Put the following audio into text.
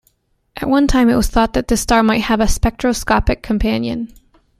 At one time it was thought that this star might have a spectroscopic companion.